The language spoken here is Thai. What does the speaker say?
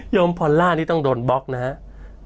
ยมพลล่านี่ต้องโดนบล็อกนะฮะ